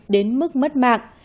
đến mức mất mạng